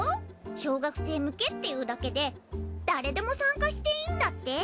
小学生向けっていうだけで誰でも参加していいんだって。